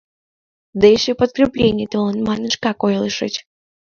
Да эше, подкреплений толын манын, шкак ойлышыч.